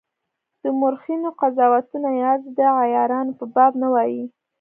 د مورخینو قضاوتونه یوازي د عیارانو په باب نه وای.